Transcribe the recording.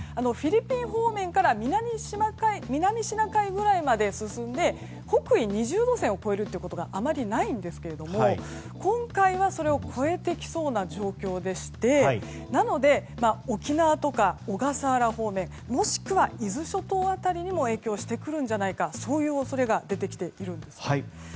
フィリピン方面から南シナ海ぐらいまで進んで北緯２０度線を超えるということはあまりないんですが今回はそれを越えてきそうな状況でしてなので、沖縄とか小笠原方面もしくは伊豆諸島あたりにも影響してくるんじゃないかそういう恐れが出てきているんです。